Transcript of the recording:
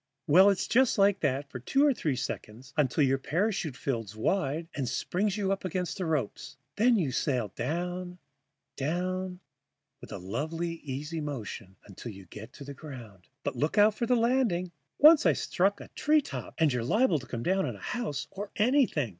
Well, it's just like that for two or three seconds, until your parachute fills wide and springs you up against the ropes. Then you sail down, down, with a lovely easy motion until you get close to the ground. But look out for the landing. Once I struck in a treetop. And you're liable to come down on houses or anything."